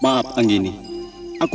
mau beri peroleh yang ada dimaklum